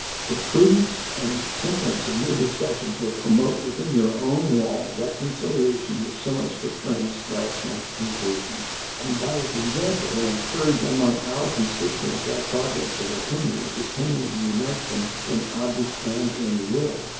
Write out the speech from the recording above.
The prudence and temperance of your discussions will promote within your own walls that conciliation which so much befriends rational conclusion, and by its example will encourage among our constituents that progress of opinion which is tending to unite them in object and in will.